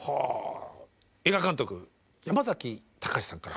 映画監督山崎貴さんから。